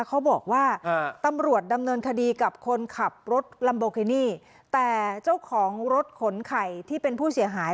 เขาบอกว่าตำรวจดำเนินคดีกับคนขับรถลัมโบกินี่แต่เจ้าของรถขนไข่ที่เป็นผู้เสียหาย